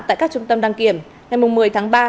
tại các trung tâm đăng kiểm ngày một mươi tháng ba